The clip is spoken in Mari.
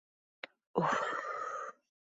Уф-ф!